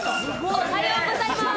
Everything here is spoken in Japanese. おはようございます。